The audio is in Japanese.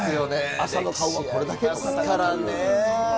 朝の顔がこれだけですからね。